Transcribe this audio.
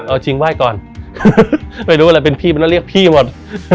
เอาจริงไหว้ก่อนไม่รู้อะไรเป็นพี่มันว่าเรียกพี่หมด